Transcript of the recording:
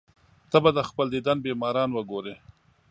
ته به د خپل دیدن بیماران وګورې.